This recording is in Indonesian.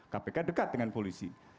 kpk dekat dengan polisi